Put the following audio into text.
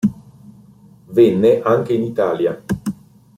Venne anche in Italia.